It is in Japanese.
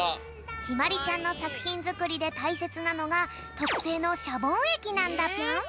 ひまりちゃんのさくひんづくりでたいせつなのがとくせいのシャボンえきなんだぴょん！